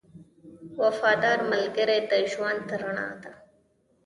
• وفادار ملګری د ژوند رڼا ده.